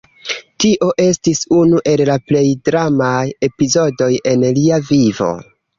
Tio estis unu el la plej dramaj epizodoj en lia vivo.